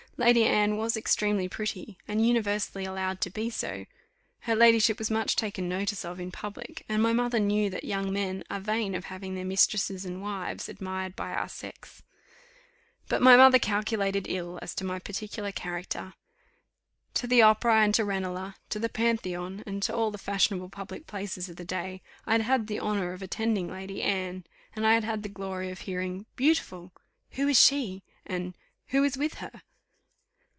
Lady Anne was extremely pretty, and universally allowed to be so; her ladyship was much taken notice of in public, and my mother knew that young men are vain of having their mistresses and wives admired by our sex. But my mother calculated ill as to my particular character. To the Opera and to Ranelagh, to the Pantheon, and to all the fashionable public places of the day, I had had the honour of attending Lady Anne; and I had had the glory of hearing "Beautiful!" "Who is she?" and "Who is with her?"